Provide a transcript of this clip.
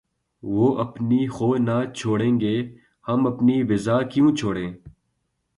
وہ اپنی خو نہ چھوڑیں گے‘ ہم اپنی وضع کیوں چھوڑیں!